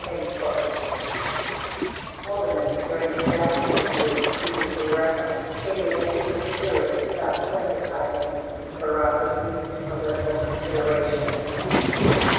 34 Haldeman, during the staff interview previously referenced, stated that he was "serious" about sensitizing the bureaucracy to polit ical considerations.